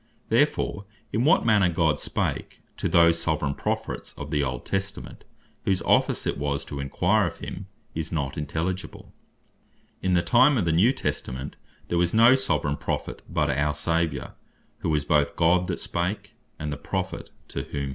Therefore in what manner God spake to those Soveraign Prophets of the Old Testament, whose office it was to enquire of him, is not intelligible. In the time of the New Testament, there was no Soveraign Prophet, but our Saviour; who was both God that spake, and the Prophet to whom he spake.